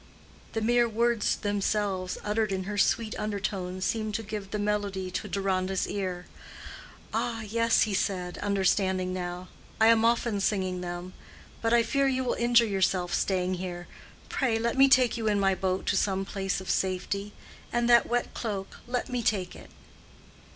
The mere words themselves uttered in her sweet undertones seemed to give the melody to Deronda's ear. "Ah, yes," he said, understanding now, "I am often singing them. But I fear you will injure yourself staying here. Pray let me take you in my boat to some place of safety. And that wet cloak—let me take it."